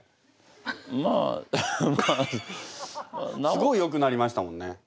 すごいよくなりましたもんね！